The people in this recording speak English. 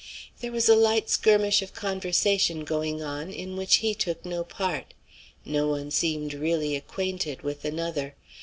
There was a light skirmish of conversation going on, in which he took no part. No one seemed really acquainted with another.